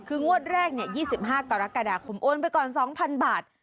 คืองวดแรก๒๕กรกฎาคมโอนไปก่อน๒๐๐๐บาท